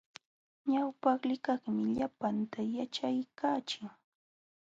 Ñawpaqlikaqmi llapanta yaćhaykaachin.